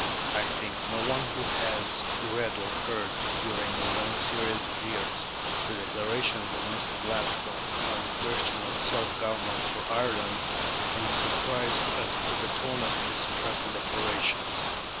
I think no one who has read or heard, during a long series of years, the declarations of Mr. Gladstone on the question of self government for Ireland, can be surprised at the tone of his present declarations....